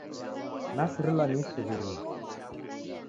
Nasirilwa ni isuw'irio.